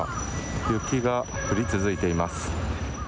雪が降り続いています。